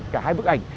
cả hai bức ảnh